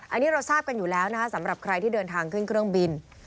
อันนี้เราทราบกันอยู่แล้วนะคะสำหรับใครที่เดินทางขึ้นเครื่องบิน